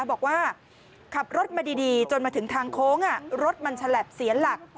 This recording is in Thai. บอกว่าขับรถมาดีจนมาถึงทางโค้งรถมันฉลับเสียหลัก